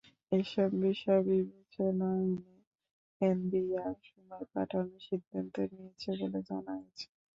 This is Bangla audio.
এসব বিষয় বিবেচনায় এনে এনবিআর সময় বাড়ানোর সিদ্ধান্ত নিয়েছে বলে জানা গেছে।